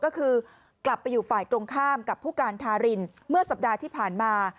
ก็คือกลับไปอยู่ฝ่ายตรงข้ามกับผู้การทารินเมื่อสัปดาห์ที่ผ่านมา